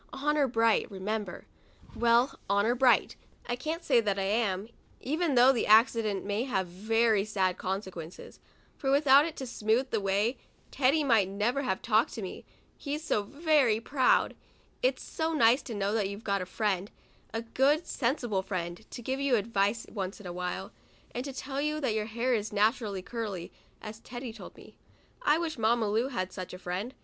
Honor bright, remember. Well, honor bright, I can't say that I am, even though the accident may have very sad consequences, for without it to smoothe the way, Teddy might never have talked to me, he's so very proud. It's so nice to know that you've got a friend, a good sensible friend, to give you advice once in a while, and to tell you that your hair is naturally curly, just as Teddy told me. I wish Mamma Lu had such a friend.